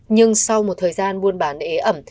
nhưng sau một thời gian buôn bán ế ẩm